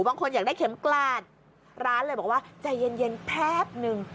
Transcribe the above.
บางคนอยากได้เข็มกลาดร้านเลยบอกว่าใจเย็นแพบหนึ่ง